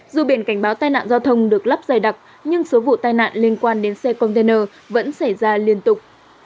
dù biển cảnh báo tai nạn giao thông được lắp dài đặc nhưng số vụ tai nạn liên quan đến xe container vẫn xảy ra liên tục